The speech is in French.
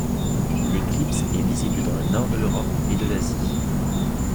L'éclipse est visible dans le nord de l'Europe et de l'Asie.